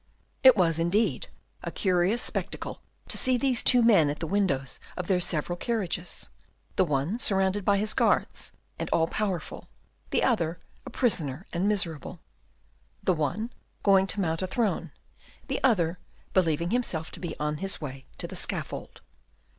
It was, indeed, a curious spectacle to see these two men at the windows of their several carriages; the one surrounded by his guards, and all powerful, the other a prisoner and miserable; the one going to mount a throne, the other believing himself to be on his way to the scaffold.